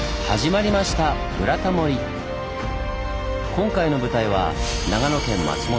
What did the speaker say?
今回の舞台は長野県松本。